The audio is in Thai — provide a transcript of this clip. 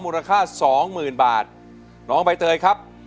มูลค่าสองหมื่นบาทน้องใบเตยครับ